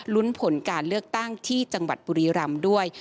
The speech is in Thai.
ลุ้นผลการเลือกตั้งที่จังหวัดบุรีรำด้วย